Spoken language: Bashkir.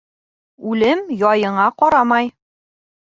Үлем яйыңа ҡарамай.